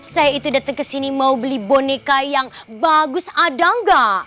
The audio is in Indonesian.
saya itu datang ke sini mau beli boneka yang bagus ada nggak